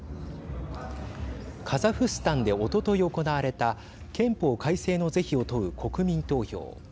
カザフスタンでおととい、行われた憲法改正の是非を問う国民投票。